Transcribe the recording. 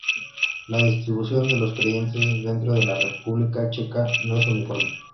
La distribución de los creyentes dentro de la República Checa no es uniforme.